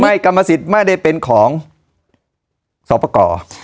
กรรมสิทธิ์ไม่ได้เป็นของสอบประกอบ